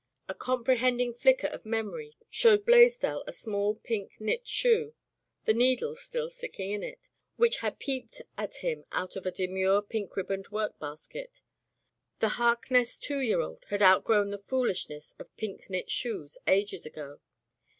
A comprehending flicker of memory showed Blaisdell a small pink knit shoe, the needles still sticking in it, which had peeped at him out of a demure pink ribboned work basket. The Harkness two year old had out grown the foolishness of pink knit shoes ages ago.